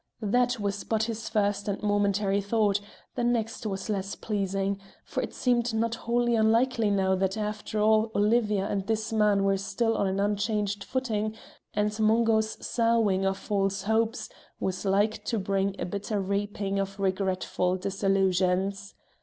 That was but his first and momentary thought; the next was less pleasing, for it seemed not wholly unlikely now that after all Olivia and this man were still on an unchanged footing, and Mungo's sowing of false hopes was like to bring a bitter reaping of regretful disillusions.